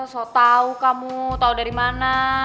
so tau kamu tahu dari mana